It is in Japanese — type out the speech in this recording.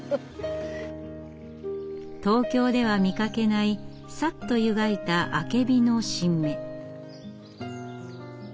東京では見かけないさっとゆがいたアケビの新芽。